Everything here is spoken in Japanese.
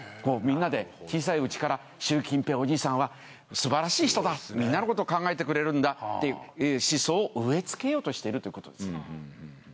みんなで小さいうちから習近平おじいさんはすばらしい人だみんなのこと考えてくれるんだって思想を植えつけようとしてるということですね。